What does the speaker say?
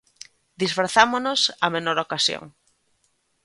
Disfrazámonos á menor ocasión.